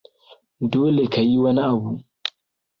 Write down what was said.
Dole ka yi wani abu.